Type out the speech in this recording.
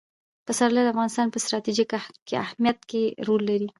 پسرلی د افغانستان په ستراتیژیک اهمیت کې رول لري.